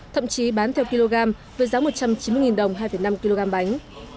thậm chí bán theo kg với giá một trăm chín mươi đồng hai năm kg bánh